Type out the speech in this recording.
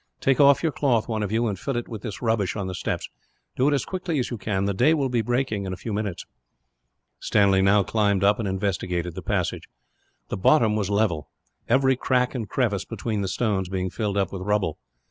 "Take off your cloth, one of you, and fill it with this rubbish on the steps. Do it as quickly as you can. The day will be breaking, in a few minutes." Stanley now climbed up, and investigated the passage. The bottom was level. Every crack and crevice between the stones being filled up with rubbish.